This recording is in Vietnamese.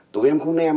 tụi em không nem